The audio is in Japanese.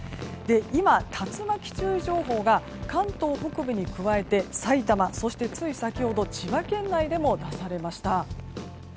今、竜巻注意情報が関東北部に加えて埼玉、そしてつい先ほど千葉県内でも出されました。